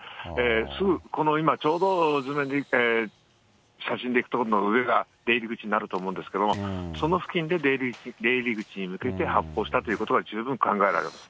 すぐこの今ちょうど写真でいくと、上が出入り口になると思うんですけど、その付近で出入り口に向けて発砲したということが十分考えられま